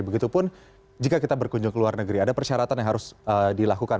begitupun jika kita berkunjung ke luar negeri ada persyaratan yang harus dilakukan